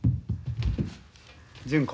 純子。